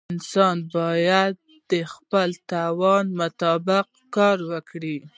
انسان باید د خپل توان مطابق کار وکړي.